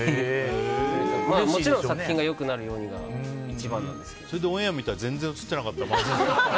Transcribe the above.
もちろん作品が良くなるのがそれで、オンエアを見たら全然映ってなかったらまずいですよね。